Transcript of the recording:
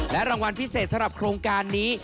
รางวัลพิเศษสำหรับโครงการนี้